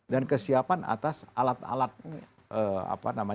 dan kesiapan atas alat alat kesehatan